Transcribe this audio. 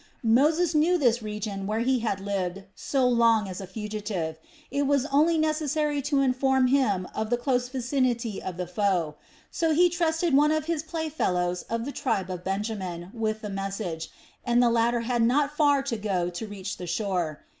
Moses knew this region where he had lived so long as a fugitive; it was only necessary to inform him of the close vicinity of the foe. So he trusted one of his play fellows of the tribe of Benjamin with the message, and the latter had not far to go to reach the shore.